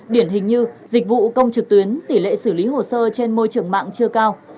điển hình như dịch vụ công trực tuyến tỷ lệ xử lý hồ sơ trên môi trường mạng chưa cao